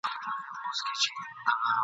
مکاري سترګي د رقیب دي سیوری ونه ویني !.